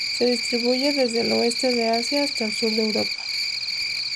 Se distribuye desde el oeste de Asia hasta el sur de Europa.